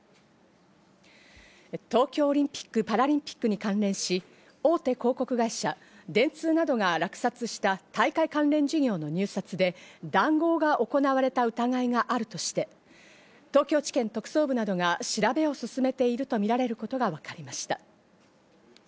東京オリンピック・パラリンピックに関連し、大手広告会社・電通などが落札した大会関連事業の入札で、談合が行われた疑いがあるとして、東京地検特捜部などが調べを進めているとみられることがわかりました。